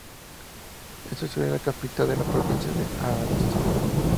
Esta ciudad es la capital de la provincia de Aragatsotn.